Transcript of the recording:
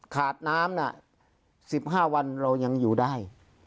คาดน้ำนะสิบห้าวันเรายังอยู่ได้